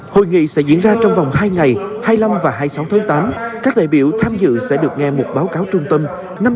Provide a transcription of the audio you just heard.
hội nghị sẽ diễn ra trong vòng hai ngày hai mươi năm và hai mươi sáu tháng tám các đại biểu tham dự sẽ được nghe một báo cáo trung tâm